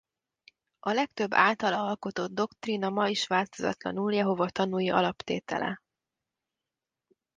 A legtöbb általa alkotott doktrína ma is változatlanul Jehova Tanúi alaptétele.